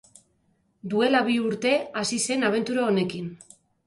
Duela bi urte hasi zen abentura honekin.